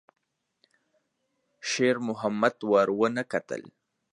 شېرمحمد ور ونه کتل.